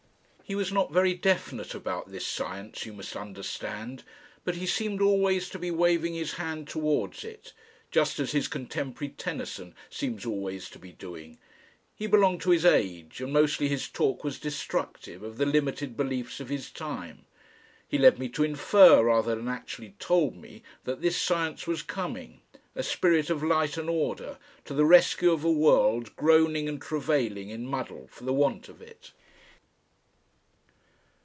He was not very definite about this Science, you must understand, but he seemed always to be waving his hand towards it, just as his contemporary Tennyson seems always to be doing he belonged to his age and mostly his talk was destructive of the limited beliefs of his time, he led me to infer rather than actually told me that this Science was coming, a spirit of light and order, to the rescue of a world groaning and travailing in muddle for the want of it....